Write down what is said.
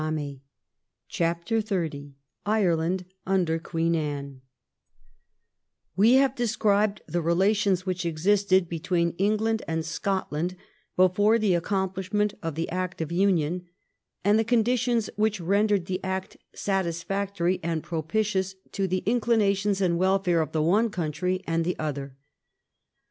193 CHAPTEE XXX IRELAND UNDER QUEEN ANNE We have described the relations which, existed between England and Scotland before the accomplish ment of the Act of Union, and the conditions which rendered that Act satisfactory and propitious to the inclinations and welfare of the one country and the other.